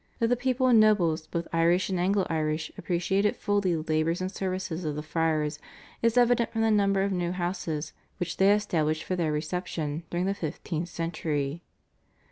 That the people and nobles, both Irish and Anglo Irish, appreciated fully the labours and services of the Friars is evident from the number of new houses which they established for their reception during the fifteenth century.